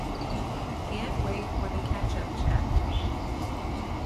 Can't wait for the catch-up chat!